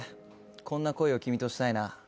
こんな恋を君としたいな。